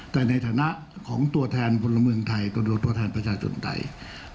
แต่ในฐานะของตัวแทนพลเมืองไทยก็โดยตัวแทนประชาชนไทย